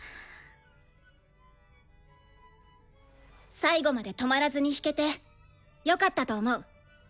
最後まで止まらずに弾けてよかったと思う。